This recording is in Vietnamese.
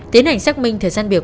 tiến hành xác minh thời gian biểu